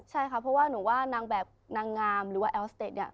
ใช่ค่ะเพราะว่านางแบบนางงามหรือว่าแอลส์เตต